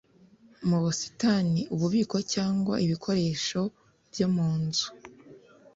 mu busitani ububiko cyangwa ibikoresho byo mu nzu